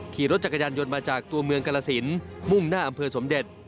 ขี่รถจักรยานยนต์มาจากตัวเมืองกรสินมุ่งหน้าอำเภอสมเด็จ